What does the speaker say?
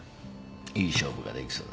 いい勝負ができそうだ。